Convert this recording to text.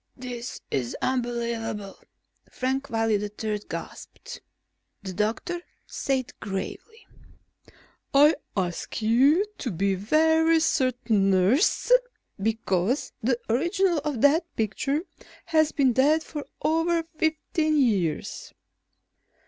"This is unbelievable," Frank Wiley III gasped. Said the doctor gravely: "I ask you to be so very certain, nurse, because the original of that picture has been dead for over fifteen years."